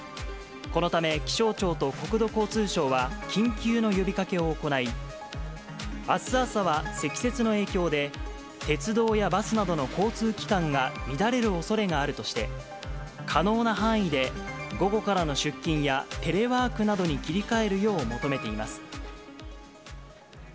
このため、気象庁と国土交通省は緊急の呼びかけを行い、あす朝は積雪の影響で、鉄道やバスなどの交通機関が乱れるおそれがあるとして、可能な範囲で午後からの出勤やテレワークなどに切り替えるよう求めています。